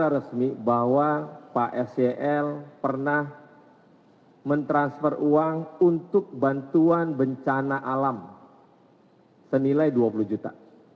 resmi bahwa pak sel pernah mentransfer uang untuk bantuan bencana alam senilai dua puluh juta